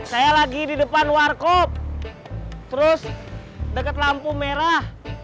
saya lagi di depan warkop terus deket lampu merah